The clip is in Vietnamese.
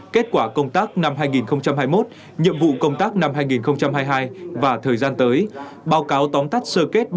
kết quả công tác năm hai nghìn hai mươi một nhiệm vụ công tác năm hai nghìn hai mươi hai và thời gian tới báo cáo tóm tắt sơ kết